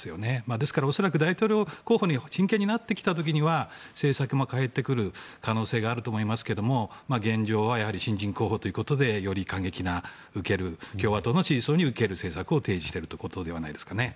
ですから大統領候補になってきた時には政策も変えてくる可能性があると思いますけれども現状はやはり新人候補ということでより過激な共和党の支持層にウケる政策を提示しているということじゃないでしょうか。